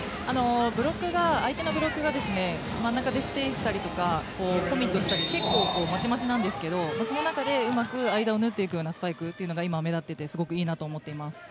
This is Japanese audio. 相手のブロックが真ん中でステイしたりコミットしたり結構まちまちなんですけどその中で間を縫っていくようなスパイクというのが目立っていてすごくいいなと思っています。